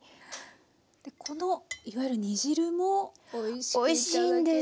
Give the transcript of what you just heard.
このいわゆる煮汁もおいしいんです。